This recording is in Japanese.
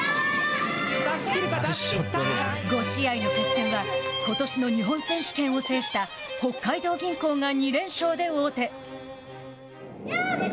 ５試合の決戦は、ことしの日本選手権を制した北海道銀行が２連勝で王手。